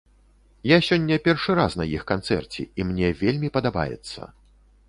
Я сёння першы раз на іх канцэрце і мне вельмі падабаецца.